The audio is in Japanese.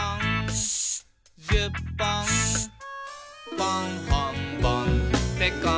「ぽんほんぼんってこんなこと」